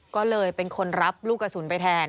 ก็เลยเป็นคนรับลูกกระสุนไปแทน